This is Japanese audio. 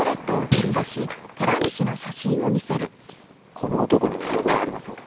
この男に見覚えありませんか？